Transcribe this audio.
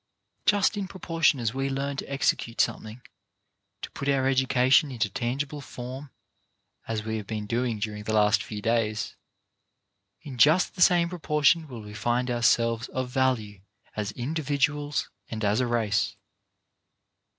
Just in proportion as we learn to execute some thing, to put our education into tangible'form — as EDUCATION THAT EDUCATES 99 we have been doing during the last few days — in just the same proportion will we find ourselves of value as individuals and as a race.